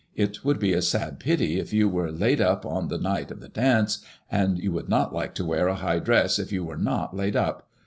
It would be a sad pity if you were laid up on the night of the dance, and you would not like to wear a high dress if you were not laid up.